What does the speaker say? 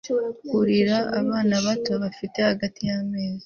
urira abana bato bafite hagati y'amezi